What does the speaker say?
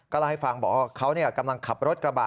เล่าให้ฟังบอกว่าเขากำลังขับรถกระบะ